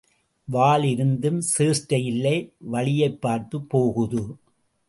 வால் இருந்தும் சேஷ்டை இல்லை வழியைப் பார்த்துப் போகுது!